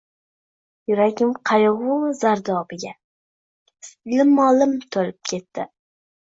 Yuragim qaygʻu zardobiga limmo-lim toʻlib ketdi.